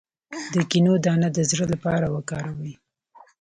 د کینو دانه د زړه لپاره وکاروئ